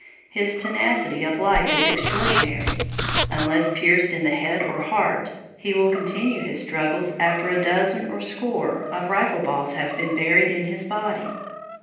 His tenacity of life is extraordinary. Unless pierced in the head or heart, he will continue his struggles after a dozen or score of rifle balls have been buried in his body.